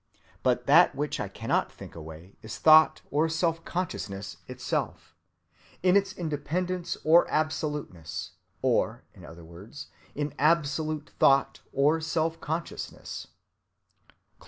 But that which I cannot think away is thought or self‐ consciousness itself, in its independence and absoluteness, or, in other words, an Absolute Thought or Self‐Consciousness."